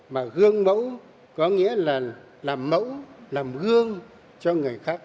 mà gương mẫu có nghĩa là làm mẫu làm gương cho người khác